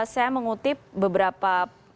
saya mengutip beberapa